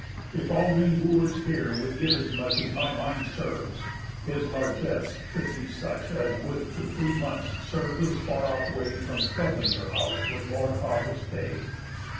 If all we Wooers here would give as much As my mind serves, his largess should be such As would for three months serve his far off way From troubling your house with more cause of stay."